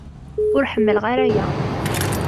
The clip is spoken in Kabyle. Ur ḥemmleɣ ara aya.